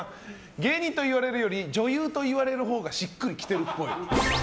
芸人と言われるより女優と言われるほうがしっくりきてるっぽい。